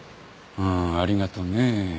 ああありがとね。